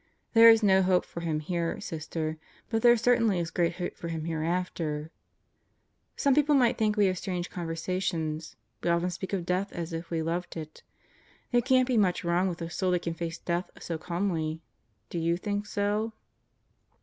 There is no hope for him here, Sister; but there cer tainly is great hope for him hereafter. Some people might think we have strange conversations. We often speak of death as if we loved it. There can't be much wrong with a soul that can face death so calmly. Do you think so?